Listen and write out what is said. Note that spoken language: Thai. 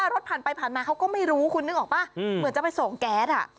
รถผ่านไปผ่านมาเขาก็ไม่รู้คุณนึกออกป่ะเหมือนจะไปส่งแก๊ส